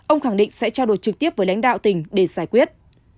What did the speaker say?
ông khẳng định sẽ trao đổi trực tiếp với lãnh đạo tỉnh để giải quyết